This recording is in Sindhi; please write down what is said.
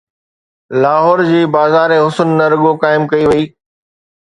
لاهور جي بازار حسن نه رڳو قائم ڪئي وئي.